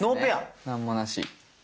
何もなし。